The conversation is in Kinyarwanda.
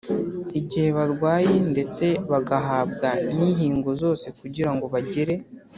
igihe barwaye ndetse bagahabwa n'inkingo zose kugira ngo bagire